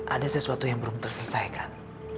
ada sesuatu yang belum terselesaikan